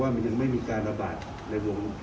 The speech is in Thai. ก็แสดงว่ายังไม่มีการระบาดในวงเรา์ด